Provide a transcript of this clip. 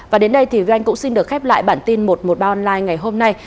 và đến đây thì anh cũng xin được khép lại bản tin một trăm một mươi ba online ngày hôm nay